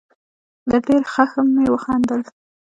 له ډېر خښم مې وخندل.